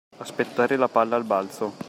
Aspettare la palla al balzo.